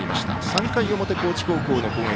３回の表、高知高校の攻撃。